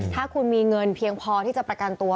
ถ้าคุณมีเงินเพียงพอที่จะประกันตัว